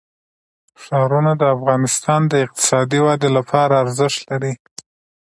ښارونه د افغانستان د اقتصادي ودې لپاره ارزښت لري.